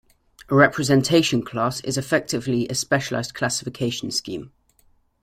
A "representation class" is effectively a specialized classification scheme.